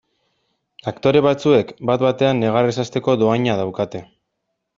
Aktore batzuek bat batean negarrez hasteko dohaina daukate.